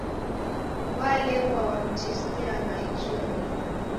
Waleghwa wamtesiagha iji wadima.